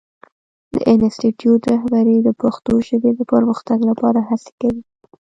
د انسټیټوت رهبري د پښتو ژبې د پرمختګ لپاره هڅې کوي.